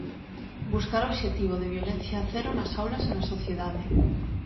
Buscar o obxectivo de violencia cero nas aulas e na sociedade.